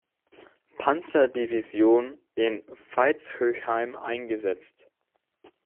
Panzerdivision in Veitshöchheim eingesetzt.